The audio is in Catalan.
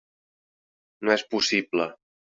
No és possible!